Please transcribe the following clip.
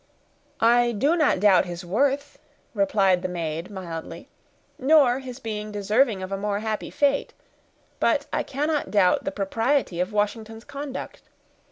"I do not doubt his worth," replied the maid, mildly, "nor his being deserving of a more happy fate; but I cannot doubt the propriety of Washington's conduct.